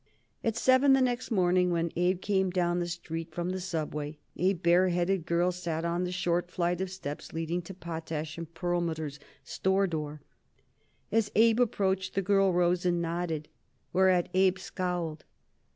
At seven the next morning, when Abe came down the street from the subway, a bareheaded girl sat on the short flight of steps leading to Potash & Perlmutter's store door. As Abe approached, the girl rose and nodded, whereat Abe scowled.